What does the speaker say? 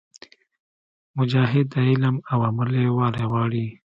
مجاهد د علم او عمل یووالی غواړي.